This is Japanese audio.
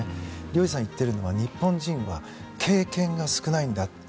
陵侑さんが言ってるのは日本人は経験が少ないんだって。